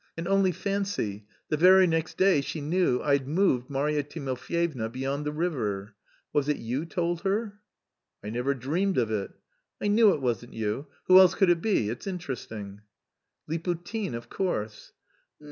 And only fancy; the very next day she knew I'd moved Marya Timofyevna beyond the river. Was it you told her?" "I never dreamed of it!" "I knew it wasn't you. Who else could it be? It's interesting." "Liputin, of course."